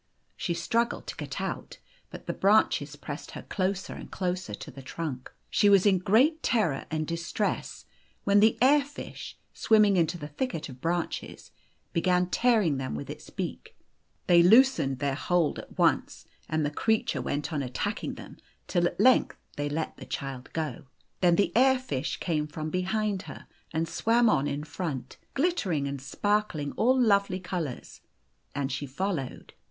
She struggled to get out, but the branches pressed her closer and closer to the trunk. She was in great terror and distress, when the air fish, swimmiuir into the 7 O thicket of branches, began tearing them with its beak. They loosened their hold at once, and the creature went on attacking them, till at length they let the O O v child o;o. Then the air fish came from behind her, and o swam on in front, glittering and sparkling all lovely colours ; and she followed.